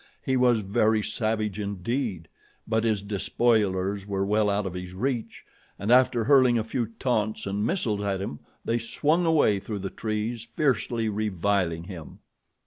He was very savage indeed; but his despoilers were well out of his reach, and after hurling a few taunts and missiles at him they swung away through the trees, fiercely reviling him.